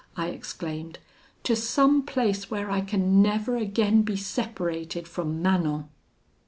I exclaimed; 'to some place where I can never again be separated from Manon.'